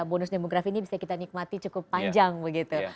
bonus demografi ini bisa kita nikmati cukup panjang begitu